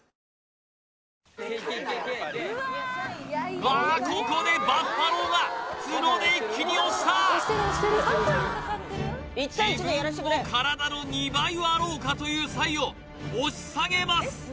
うわここでバッファローがツノで自分の体の２倍はあろうかというサイを押し下げます